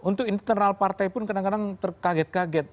untuk internal partai pun kadang kadang terkaget kaget